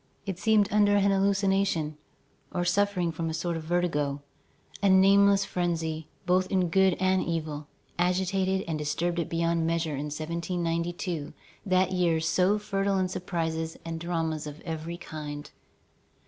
It seemed under an hallucination, or suffering from a sort of vertigo. A nameless frenzy, both in good and evil, agitated and disturbed it beyond measure in 1792, that year so fertile in surprises and dramas of every kind.